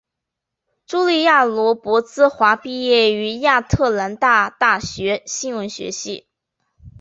茱莉亚罗勃兹毕业于亚特兰大大学新闻学系。